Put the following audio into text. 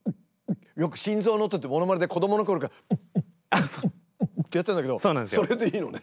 よく心臓の音ってものまねで子どものころから。ってやってたんだけどそれでいいのね。